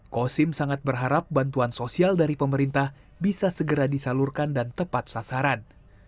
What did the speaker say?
kosim sangat berharap bantuan sosial dari pemerintah bisa segera disalurkan dan tepat sasaran